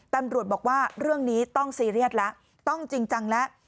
ตำรวจบอกว่าเรื่องนี้ต้องซีเรียสแล้วต้องจริงจังแล้ว